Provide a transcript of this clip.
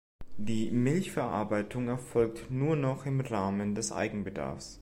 Die Milchverarbeitung erfolgt nur noch im Rahmen des Eigenbedarfs.